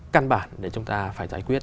căn bản để chúng ta phải giải quyết